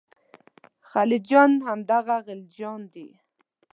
خلجیان همدغه غلجیان دي.